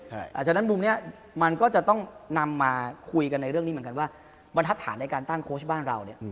เพราะฉะนั้นมุมนี้มันก็จะต้องนำมาคุยกันในเรื่องนี้เหมือนกันว่าบรรทัศน์ในการตั้งโค้ชบ้านเราเนี่ย